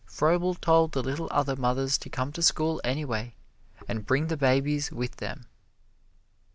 Froebel told the little other mothers to come to school anyway and bring the babies with them.